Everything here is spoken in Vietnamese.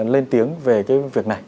lên tiếng về việc này